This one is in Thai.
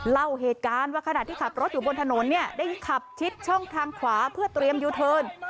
เล่าเหตุการณ์ว่าขณะที่ขับรถอยู่บนถนนเนี่ยได้ขับชิดช่องทางขวาเพื่อเตรียมยูเทิร์น